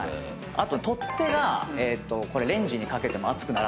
あと取っ手がレンジにかけても熱くならない。